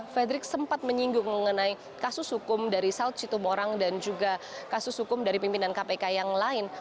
fedrik sempat menyinggung mengenai kasus hukum dari sal citu morang dan juga kasus hukum dari pimpinan kpk yang lain